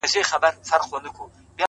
چي وركوي څوك په دې ښار كي جينكو ته زړونه؛